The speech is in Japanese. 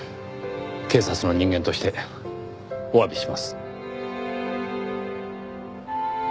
警察の人間としておわびします。